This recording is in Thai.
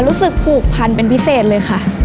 รู้สึกผูกพันเป็นพิเศษเลยค่ะ